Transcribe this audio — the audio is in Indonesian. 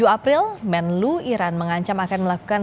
tujuh april menlu iran mengancam akan melakukan